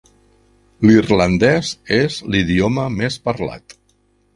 L'irlandès és l'idioma més parlat.